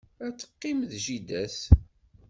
Ad teqqim d jida-s.